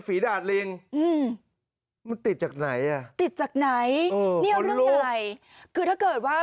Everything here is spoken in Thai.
ดาดลิงอืมมันติดจากไหนอ่ะติดจากไหนอืมเนี่ยเรื่องใหญ่คือถ้าเกิดว่า